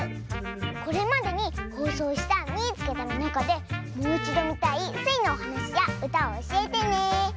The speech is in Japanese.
これまでにほうそうした「みいつけた！」のなかでもういちどみたいスイのおはなしやうたをおしえてね！